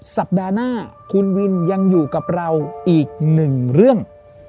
สัปดาห์หน้าคุณวินยังอยู่กับเราอีกหนึ่งเรื่อง